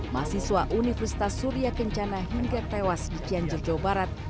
mahasiswa universitas surya kencana hingga tewas di cianjur jawa barat